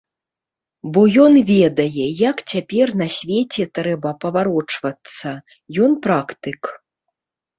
Бо ён ведае, як цяпер на свеце трэба паварочвацца, ён практык.